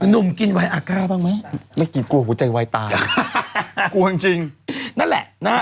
หนุ่มกินไวอาก้าบ้างไหมไม่กินกลัวหัวใจวายตายกลัวจริงจริงนั่นแหละนะฮะ